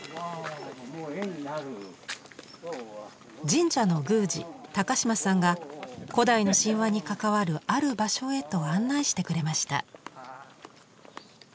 神社の宮司島さんが古代の神話に関わるある場所へと案内してくれました。